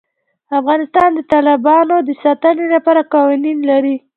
افغانستان د تالابونه د ساتنې لپاره قوانین لري.